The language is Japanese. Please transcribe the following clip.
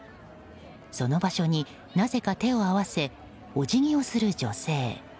その場所に、なぜか手を合わせお辞儀をする女性。